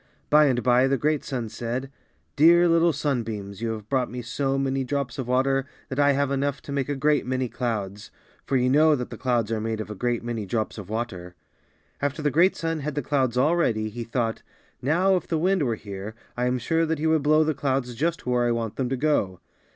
By and by, the great sun said, ^^Dear little sunbeams, you have brought me so many drops of water that I have enough to make a great many clouds," for you know that the clouds are made of a great many drops of water. After the great sun had the clouds all ready, he thought, '^Now if the wind were here I am sure that he would blow the clouds just where I want them to go."